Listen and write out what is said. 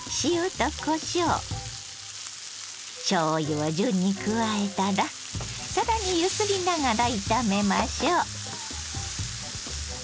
を順に加えたら更に揺すりながら炒めましょう。